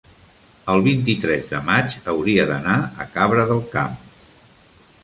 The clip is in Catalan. el vint-i-tres de maig hauria d'anar a Cabra del Camp.